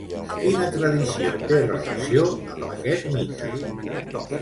Quina tradició té relació amb aquest mite?